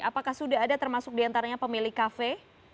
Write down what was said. apakah sudah ada termasuk diantaranya pemilik kafe